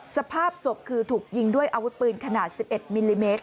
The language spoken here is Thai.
สภาพศพคือถูกยิงด้วยอาวุธปืนขนาด๑๑มิลลิเมตร